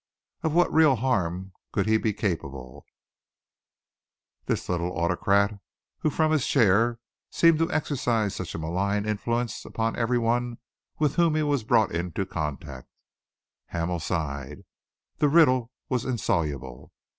Of what real harm could he be capable, this little autocrat who from his chair seemed to exercise such a malign influence upon every one with whom he was brought into contact? Hamel sighed. The riddle was insoluble.